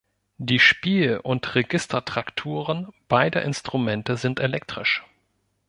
Die Spiel- und Registertrakturen beider Instrumente sind elektrisch.